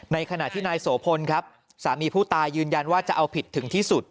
ขณะที่นายโสพลครับสามีผู้ตายยืนยันว่าจะเอาผิดถึงที่สุด